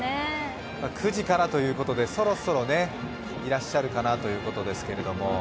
９時からということでそろそろいらっしゃるかなということですけれども。